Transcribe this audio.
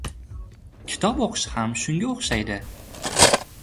Kitob oʻqish ham shunga oʻxshaydi.